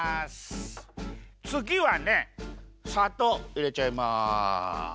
つぎはねさとういれちゃいます。